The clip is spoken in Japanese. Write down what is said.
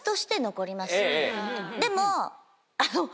でも。